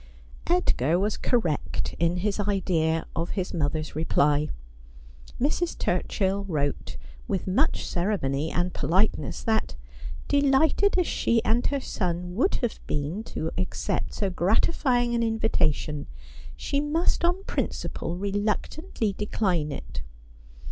Edgar was correct in his idea of his mother's reply. Mrs. Turchill wrote with much ceremony and politeness that, de lighted as she and her son would have been to accept so gratify ing an invitation, she must on principle reluctantly decline it.